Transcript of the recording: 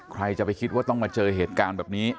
ใครจะไปคิดว่าต้องมาเจอเหตุการณ์แบบนี้